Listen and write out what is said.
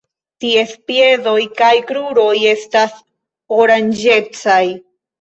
Ties piedoj kaj kruroj estas oranĝecaj.